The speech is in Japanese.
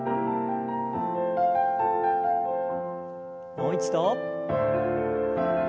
もう一度。